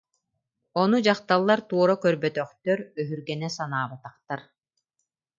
Ону дьахталлар туора көрбөтөхтөр, өһүргэнэ санаабатахтар